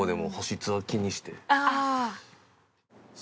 ああ！